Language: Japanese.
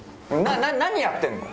何やってんの！？